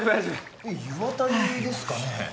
湯あたりですかね？